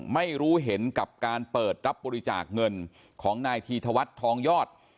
ไม่รู้เห็นกับการเปิดรับบริจาคเงินของนายธีธวัฒน์ทองยอด